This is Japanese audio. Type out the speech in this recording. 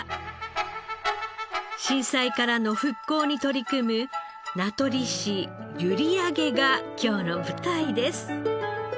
震災からの復興に取り組む名取市閖上が今日の舞台です。